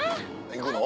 行くの？